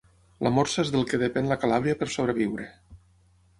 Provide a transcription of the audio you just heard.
La morsa és del que depèn la calàbria per sobreviure.